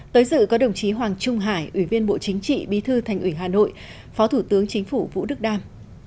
tới dự có đồng chí hoàng trung hải ủy viên bộ chính trị bí thư thành ủy hà nội phó thủ tướng chính phủ vũ đức đam